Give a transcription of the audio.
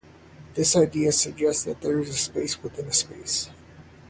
This idea suggests that there is a space within a space.